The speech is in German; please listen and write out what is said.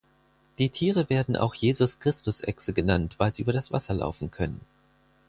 Die Tiere werden auch Jesus-Christus-Echse genannt, weil sie über das Wasser laufen können.